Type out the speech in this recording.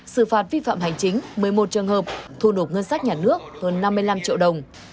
xử phạt vi phạm hành chính một mươi một trường hợp thu nộp ngân sách nhà nước hơn năm mươi năm triệu đồng